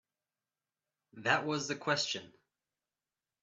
That was the question.